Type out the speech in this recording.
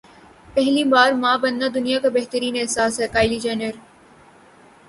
پہلی بار ماں بننا دنیا کا بہترین احساس ہے کایلی جینر